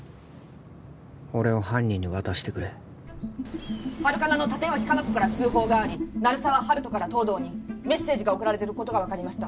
俺を犯人に渡してくれハルカナの立脇香菜子から通報があり鳴沢温人から東堂にメッセージが送られてることが分かりました